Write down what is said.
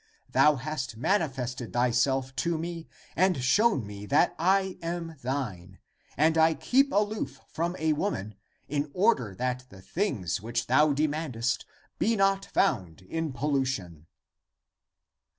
Thou hast manifested thyself to me and shown me that I am thine ; and I kept aloof from a woman, in order that the things which thou demandest be not found in pollution.